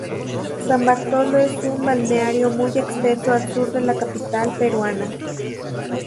San Bartolo es un balneario muy extenso al sur de la capital peruana.